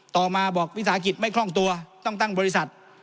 ต่อมาบอกวิสาหกิจไม่คล่องตัวต้องตั้งบริษัท